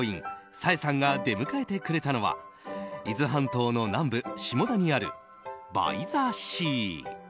冴江さんが出迎えてくれたのは伊豆半島の南部下田にあるバイザシー。